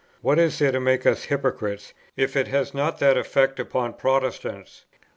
What is there in it to make us hypocrites, if it has not that effect upon Protestants?